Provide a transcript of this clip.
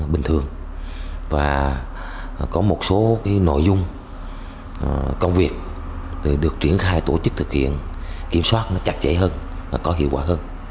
bình thường và có một số cái nội dung công việc được triển khai tổ chức thực hiện kiểm soát nó chặt chẽ hơn nó có hiệu quả hơn